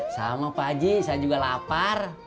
sama pak ji saya juga lapar